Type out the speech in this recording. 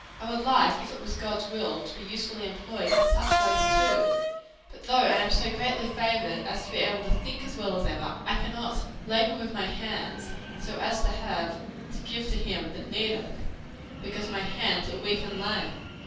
I would like, if it was God's will, to be usefully employed in such ways, too; but though I am so greatly favored as to be able to think as well as ever, I cannot work with my wonted facility and despatch. I cannot 'labor with my hands,' so as to have 'to give to him that needeth,' because my hands are weak and lame.